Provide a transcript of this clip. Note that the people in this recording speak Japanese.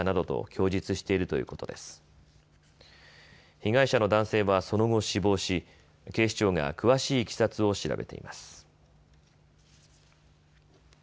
被害者の男性はその後、死亡し、警視庁が詳しいいきさつを調べています。